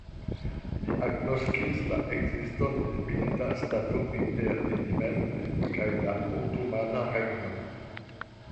Ili agnoskis la ekziston de milita stato inter ili mem kaj la Otomana Regno.